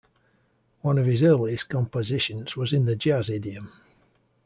One of his earliest compositions was in the jazz idiom.